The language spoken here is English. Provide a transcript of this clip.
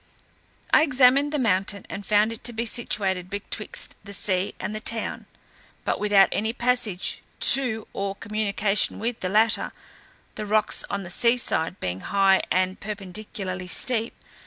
I examined the mountain, and found it to be situated betwixt the sea and the town, but without any passage to or communication with the latter; the rocks on the sea side being high and perpendicularly steep.